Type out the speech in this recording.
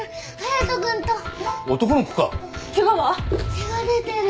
血が出てる。